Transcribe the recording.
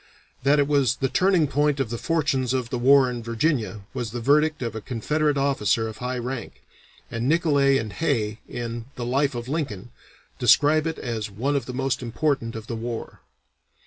That it was "the turning point of the fortunes of the war in Virginia," was the verdict of a Confederate officer of high rank, and Nicolay and Hay in the "Life of Lincoln" describe it as "one of the most important of the war."